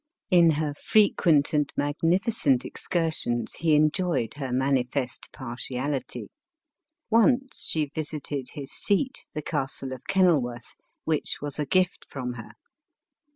In her frequent and magnificent excursions, he enjoyed her manifest partiality. Once she visited his seat, the castle of Kenilworth, which was a gift from her.